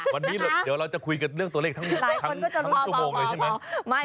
วันนี้เดี๋ยวเราจะคุยกันเรื่องตัวเลขทั้งหมดทั้งชั่วโมงเลยใช่ไหม